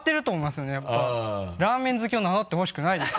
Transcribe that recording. ラーメン好きを名乗ってほしくないです。